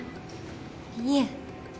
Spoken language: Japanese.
いいえ。